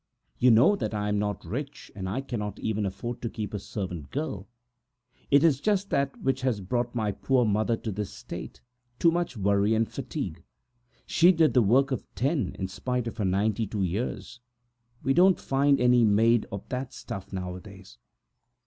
You know that I am not rich, and I cannot even afford to keep a servant girl. It is just that which has brought my poor mother to this state, too much work and fatigue! She used to work for ten, in spite of her ninety two years. You don't find any made of that stuff nowadays!"